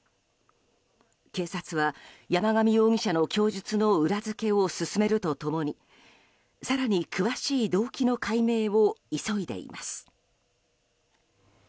警察は山上容疑者の供述の裏付けを進めると共に更に詳しい動機の解明を急いでいます。